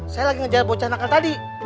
saya lagi ngejar bocah nakal tadi